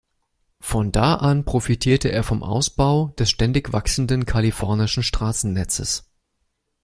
Von da an profitierte er vom Ausbau des ständig wachsenden kalifornischen Straßennetzes.